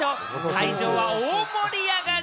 会場は大盛り上がり！